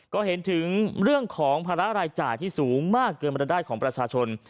ก็เห็นถึงเรื่องของภาระรายจ่ายที่สูงมากเกินมารายได้ของประชาชน